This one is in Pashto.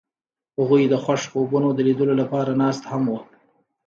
هغوی د خوښ خوبونو د لیدلو لپاره ناست هم وو.